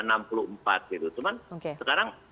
enam puluh empat gitu cuman sekarang